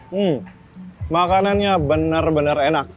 hmm makanannya benar benar enak